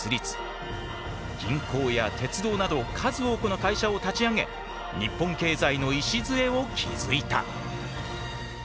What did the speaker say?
銀行や鉄道など数多くの会社を立ち上げ日本経済の礎を築いた。